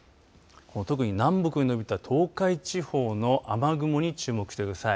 特に、南北にのびた東海地方の雨雲に注目してください。